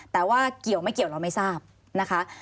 แต่ว่าเกี่ยวไม่เกี่ยวเราไม่ทราบนะคะ